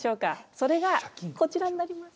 それがこちらになります。